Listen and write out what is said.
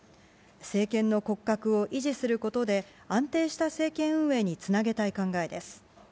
政権の骨格を維持することで、安定した政権運営につなげたい考えです。